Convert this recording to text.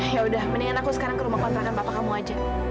ya udah mendingan aku sekarang ke rumah kontrakan bapak kamu aja